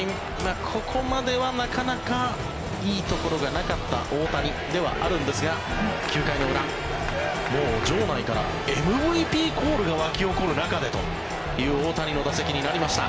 ここまではなかなかいいところがなかった大谷ではあるんですが９回の裏、もう場内からＭＶＰコールが沸き起こる中でという大谷の打席になりました。